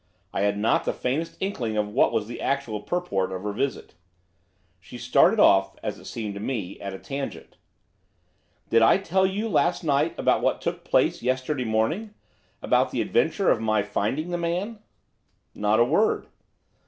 I had not the faintest inkling of what was the actual purport of her visit. She started off, as it seemed to me, at a tangent. 'Did I tell you last night about what took place yesterday morning, about the adventure of my finding the man?' 'Not a word.